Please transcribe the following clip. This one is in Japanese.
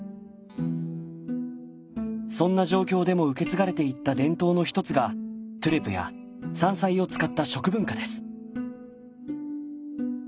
そんな状況でも受け継がれていった伝統の一つがトゥレや山菜を使った食文化です。